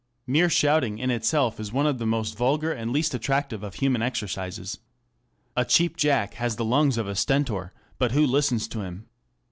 Mere shouting in itself is one of the most vulgar and least attractive of human exercises. A Cheap Jack has the lungs of a Stentor, but who listens to him?